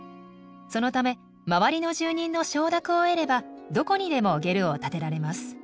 そのため周りの住人の承諾を得ればどこにでもゲルを建てられます。